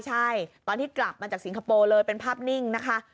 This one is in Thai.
ใช่ตอนที่กลับมาจากสิงคโปร์เลยเป็นภาพนิ่งนะคะ